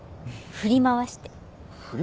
「振り回して」？